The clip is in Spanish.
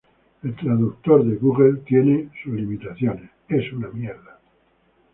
El traductor de Google tiene sus limitaciones.